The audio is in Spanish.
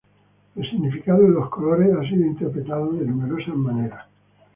El significado de los colores ha sido interpretado de numerosas maneras.